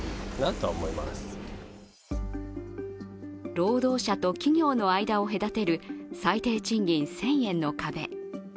労働者と企業の間を隔てる最低賃金１０００円の壁。